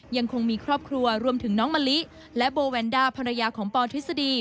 ยังคงมีครอบครัวรวมถึงน้องมะลิและโบแวนด้าภรรยาของปทฤษฎี